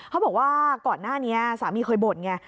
เขาบอกว่าก่อนหน้านี้สามีเคยบ่นไง